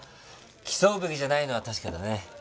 競うべきじゃないのは確かだね。